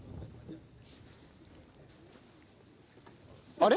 あれ？